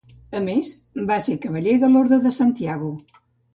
A més, va ser cavaller de l'Orde de Santiago.